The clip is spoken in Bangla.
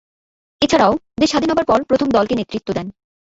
এছাড়াও, দেশ স্বাধীন হবার পর প্রথম দলকে নেতৃত্ব দেন।